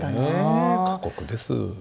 ねえ過酷です。